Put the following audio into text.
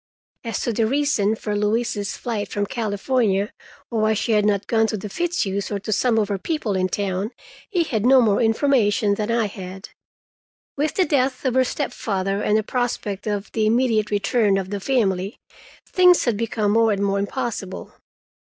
As to the reason for Louise's flight from California, or why she had not gone to the Fitzhughs', or to some of her people in town, he had no more information than I had. With the death of her stepfather and the prospect of the immediate return of the family, things had become more and more impossible.